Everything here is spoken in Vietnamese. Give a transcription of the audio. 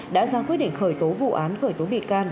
đã ra quyết định khởi tố vụ án khởi tố bị can